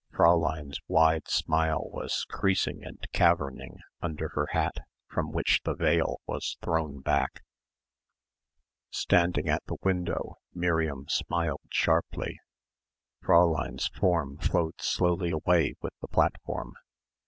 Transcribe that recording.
Fräulein's wide smile was creasing and caverning under her hat from which the veil was thrown back. Standing at the window Miriam smiled sharply. Fräulein's form flowed slowly away with the platform.